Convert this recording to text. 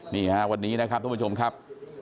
นี่ฮะวันนี้นะครับทุกผู้ชมครับ